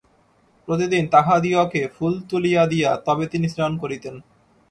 প্রতিদিন তাহাদিগকে ফুল তুলিয়া দিয়া তবে তিনি স্নান করিতেন।